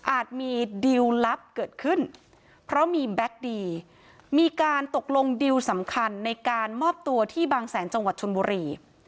มีดิวลลับเกิดขึ้นเพราะมีแบ็คดีมีการตกลงดิวสำคัญในการมอบตัวที่บางแสนจังหวัดชนบุรี